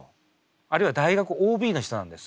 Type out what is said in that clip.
あるいは大学ＯＢの人なんです。